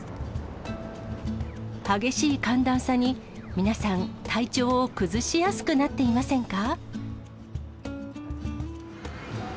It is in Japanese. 激しい寒暖差に、皆さん、体調を崩しやすくなっていませんか？